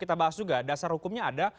kita bahas juga dasar hukumnya ada